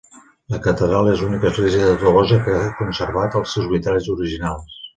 La catedral és l'única església de Tolosa que ha conservat els seus vitralls originals.